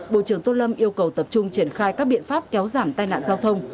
bộ trưởng tô lâm yêu cầu tập trung triển khai các biện pháp kéo giảm tai nạn giao thông